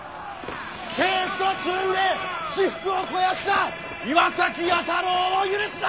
政府とつるんで私腹を肥やした岩崎弥太郎を許すな！